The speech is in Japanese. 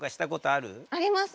あります。